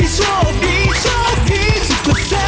สวัสดีค่ะ